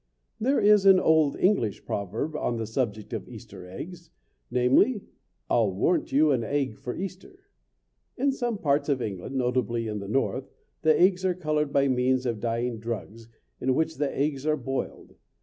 There is an old English proverb on the subject of Easter eggs, namely: "I'll warrant you an egg for Easter." In some parts of England, notably in the north, the eggs are colored by means of dyeing drugs, in which the eggs are boiled.